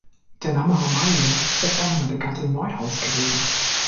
Der Name "Amalia" ist der Vorname der Gattin Neuhaus' gewesen.